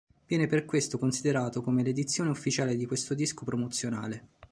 Viene per questo considerato come l'edizione ufficiale di quel disco promozionale.